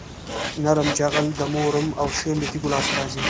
نرم جغل د مورم او شیل له تیږو لاسته راځي